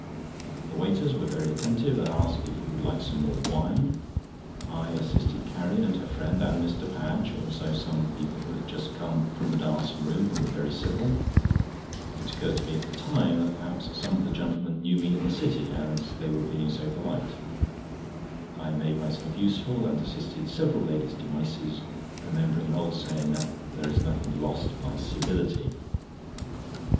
The waiters were very attentive, and asked if we would like some more wine. I assisted Carrie and her friend and Mr. Padge, also some people who had just come from the dancing room, who were very civil. It occurred to me at the time that perhaps some of the gentlemen knew me in the City, as they were so polite. I made myself useful, and assisted several ladies to ices, remembering an old saying that "There is nothing lost by civility."